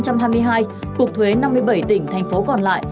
cục thuế năm mươi bảy tỉnh thành phố còn lại